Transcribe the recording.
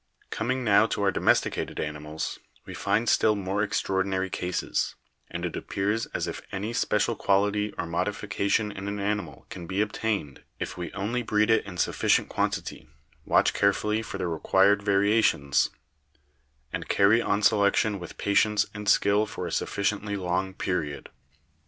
"Coming now to our domesticated animals, we find still more extraordinary cases; and it appears as if any special quality or modification in an animal can be obtained if we only breed it in sufficient quantity, watch carefully^ for the required variations, and carry on selection witK patience and skill for a sufficiently long period.